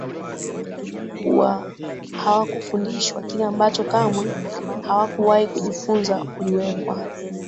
hawakufundishwa kile ambacho kamwe hawakuwahi kujifunza Uliwekwa